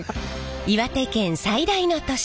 岩手県最大の都市